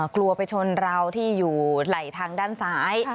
กลัวไปชนเราที่อยู่ไหล่ทางด้านซ้าย